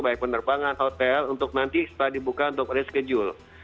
baik penerbangan hotel untuk nanti setelah dibuka untuk reschedule